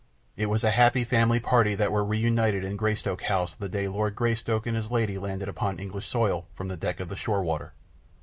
It was a happy family party that were reunited in Greystoke House the day that Lord Greystoke and his lady landed upon English soil from the deck of the Shorewater.